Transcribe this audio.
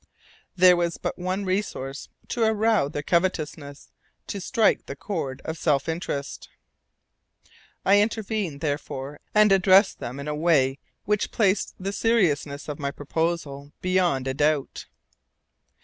There was but one resource: to arouse their covetousness, to strike the chord of self interest. I intervened, therefore, and addressed them in a tone which placed the seriousness of my proposal beyond a doubt.